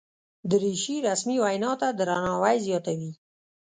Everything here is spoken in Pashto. دریشي رسمي وینا ته درناوی زیاتوي.